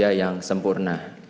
tapi saya yang sempurna